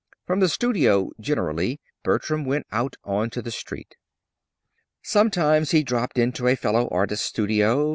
From the studio, generally, Bertram went out on to the street. Sometimes he dropped into a fellow artist's studio.